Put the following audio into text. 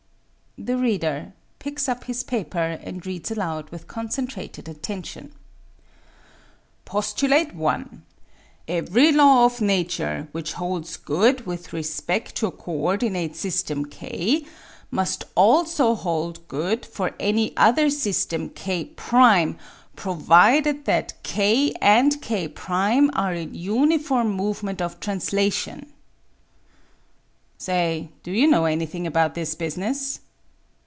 The Reader: (Picks up his paper and reads aloud with concentrated attention) " Postu late I. Every law of nature which holds good with respect to a coordi nate system K must also hold good EASY LESSONS IN EINSTEIN vii for any other system K', provided that K and K' are in uniform movement of translation." Say, do you know any thing about this business